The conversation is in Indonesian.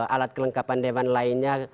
alat kelengkapan dewan lainnya